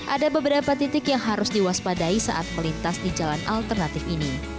ada beberapa titik yang harus diwaspadai saat melintas di jalan alternatif ini